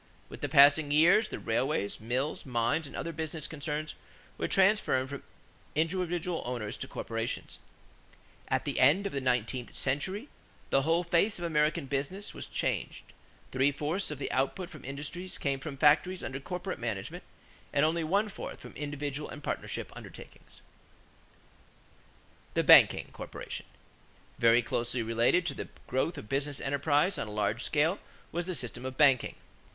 With the passing years, the railways, mills, mines, and other business concerns were transferred from individual owners to corporations. At the end of the nineteenth century, the whole face of American business was changed. Three fourths of the output from industries came from factories under corporate management and only one fourth from individual and partnership undertakings. [Illustration: JOHN D. ROCKEFELLER] =The Banking Corporation.= Very closely related to the growth of business enterprise on a large scale was the system of banking.